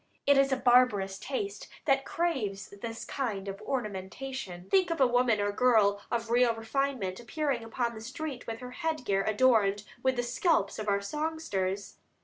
It is a barbarous taste that craves this kind of ornamentation. Think of a woman or girl of real refinement appearing upon the street with her head gear adorned with the scalps of our songsters!